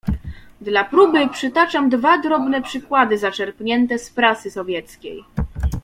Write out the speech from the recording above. "Dla próby przytaczam dwa drobne przykłady, zaczerpnięte z prasy sowieckiej."